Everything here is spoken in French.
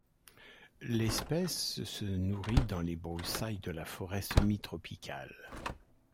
L'espèce se nourrit dans les broussailles de la forêt semi-tropicale.